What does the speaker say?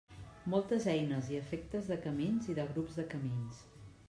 Moltes eines i efectes de camins i de grups de camins.